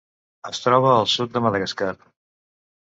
Es troba al sud de Madagascar.